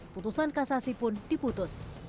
putusan kasasi pun diputus